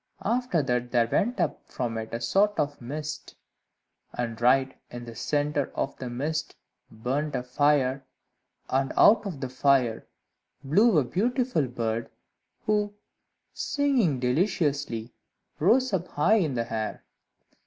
After that there went up from it a sort of mist, and right in the centre of the mist burnt a fire, and out of the fire flew a beautiful bird, who, singing deliciously, rose up high in the air.